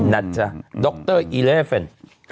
นัดเจ้าดรอิเลเฟน